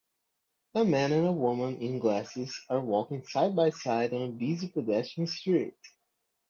A man and a woman in glasses are walking sidebyside on a busy pedestrian street.